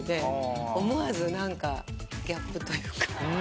思わず何かギャップというか。